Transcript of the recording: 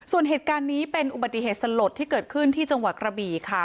ส่วนเหตุการณ์นี้เป็นอุบัติเหตุสลดที่เกิดขึ้นที่จังหวัดกระบี่ค่ะ